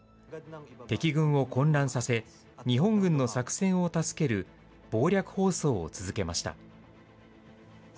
敵軍を混乱させ、日本軍の作戦を助ける謀略放送を続けました。